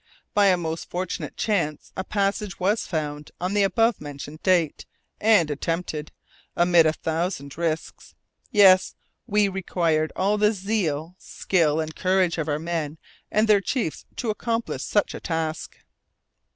By a most fortunate chance a passage was found on the above mentioned date, and attempted, amid a thousand risks. Yes, we required all the zeal, skill, and courage of our men and their chiefs to accomplish such a task.